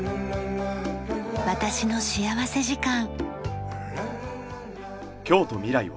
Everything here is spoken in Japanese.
『私の幸福時間』。